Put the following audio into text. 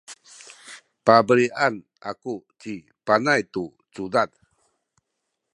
pabelian aku ci Panay tu cudad.